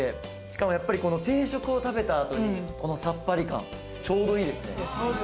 しかも、やっぱり定食を食べた後にこのさっぱり感、ちょうどいいですね。